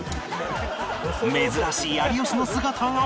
珍しい有吉の姿が